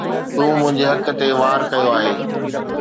تو منهنجي حق تي وار ڪيو آهي